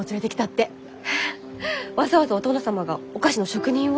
えっわざわざお殿様がお菓子の職人を？